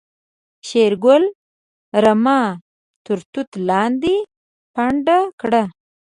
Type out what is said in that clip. شېرګل رمه تر توت لاندې پنډه کړه.